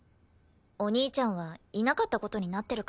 お兄ちゃんはいなかった事になってるから。